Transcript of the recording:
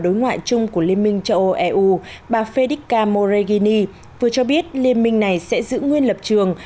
đối ngoại chung của liên minh châu âu eu bà fedica moregini vừa cho biết liên minh này sẽ giữ nguyên lập trường